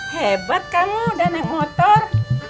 hebat kamu udah naik motor